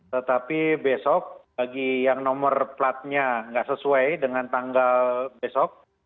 tetapi besok bagi yang nomor platnya nggak sesuai dengan tanggal besok